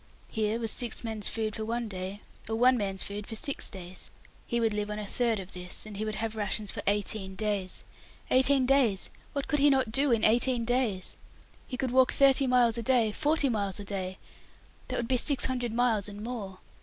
Here was six men's food for one day, or one man's food for six days. He would live on a third of this, and he would have rations for eighteen days. Eighteen days! What could he not do in eighteen days? He could walk thirty miles a day forty miles a day that would be six hundred miles and more.